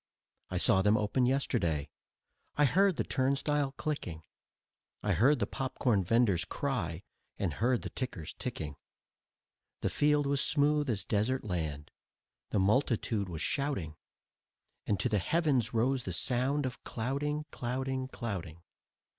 I saw them open yesterday, I heard the turnstile clicking; I heard the popcorn venders' cry and heard the tickers ticking. The field was smooth as desert land, the multitude was shouting, And to the heavens rose the sound of clouting, clouting, clouting.